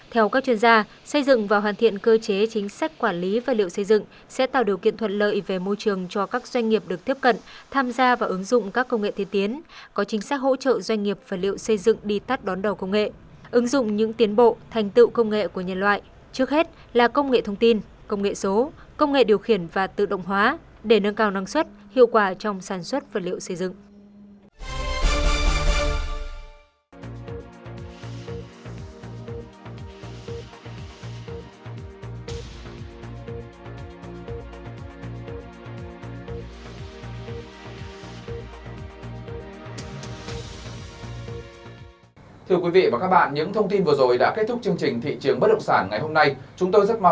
theo các chuyên gia xây dựng và hoàn thiện cơ chế chính sách quản lý và liệu xây dựng sẽ tạo điều kiện thuận lợi về môi trường cho các doanh nghiệp được tiếp cận tham gia và ứng dụng các công nghệ tiến tiến có chính sách hỗ trợ doanh nghiệp và liệu xây dựng đi tắt đón đầu công nghệ ứng dụng những tiến bộ thành tựu công nghệ của nhân loại trước hết là công nghệ thông tin công nghệ số công nghệ điều khiển và tự động hóa để nâng cao năng suất hiệu quả trong sản xuất và liệu xây dựng